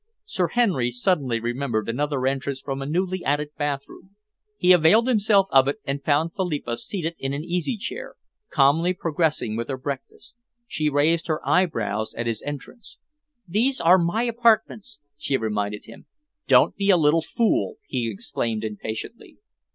Sir Henry suddenly remembered another entrance from a newly added bathroom. He availed himself of it and found Philippa seated in an easy chair, calmly progressing with her breakfast. She raised her eyebrows at his entrance. "These are my apartments," she reminded him. "Don't be a little fool," he exclaimed impatiently.